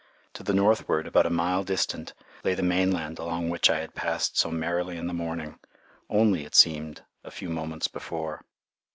To the northward, about a mile distant, lay the mainland along which I had passed so merrily in the morning, only, it seemed, a few moments before.